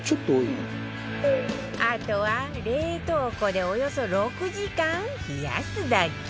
あとは冷凍庫でおよそ６時間冷やすだけ